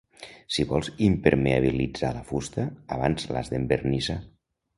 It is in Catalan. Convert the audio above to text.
Si vols impermeabilitzar la fusta abans l'has d'envernissar.